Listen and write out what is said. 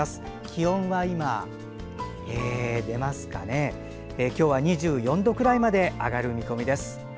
気温は今日は２４度くらいまで上がる見込みです。